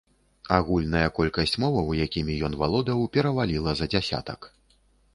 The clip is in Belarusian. Агульная колькасць моваў, якімі ён валодаў, пераваліла за дзясятак.